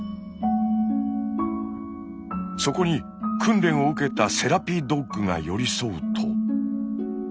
そこに訓練を受けたセラピードッグが寄り添うと。